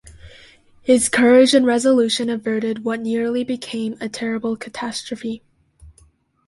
His courage and resolution averted what nearly became a terrible catastrophe.